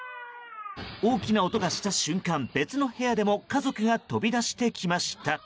大きな音がした瞬間別の部屋でも家族が飛び出してきました。